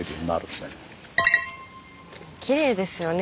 きれいですよね